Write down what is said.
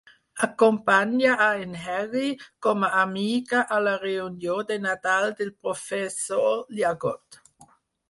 Acompanya a en Harry, com a amiga, a la reunió de Nadal del professor Llagot.